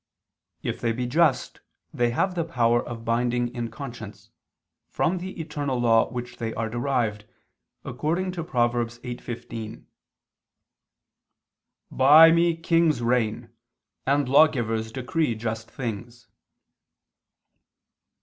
If they be just, they have the power of binding in conscience, from the eternal law whence they are derived, according to Prov. 8:15: "By Me kings reign, and lawgivers decree just things."